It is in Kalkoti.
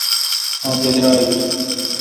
مہ براگ این